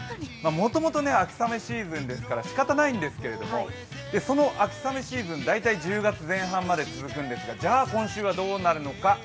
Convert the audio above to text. もともと秋雨シーズンですからしかたないんですけれども、その秋雨シーズン、大体１０月前半まで続くんですがじゃあ、今週はどうなるのか。